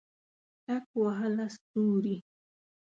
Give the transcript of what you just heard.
ټک وهله ستوري